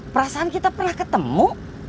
perasaan kita pernah ketemu